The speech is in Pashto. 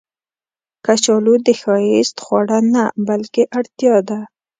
کچالو د ښایست خواړه نه، بلکې اړتیا ده